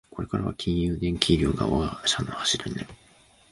これからは金融、電機、医療が我が社の柱になる